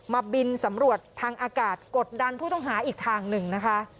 บินสำรวจทางอากาศกดดันผู้ต้องหาอีกทางหนึ่งนะคะ